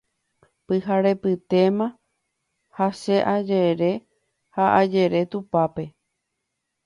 Pyharepytéma ha che ajere ha ajere tupápe